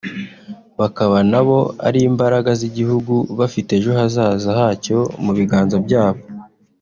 bakaba na bo ari imbaraga z’igihugu bafite ejo hazaza hacyo mu biganza byabo